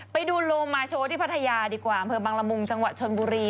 ไปดูโลมาโชว์ที่พัทยาดีกว่าอำเภอบังละมุงจังหวัดชนบุรี